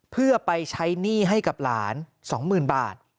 เพื่อไปใช้หนี้ให้กับหลาน๒๐๐๐บาท